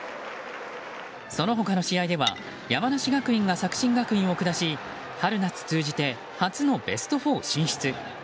その他の試合では山梨学院が作新学院を下し春夏通じて初のベスト４進出。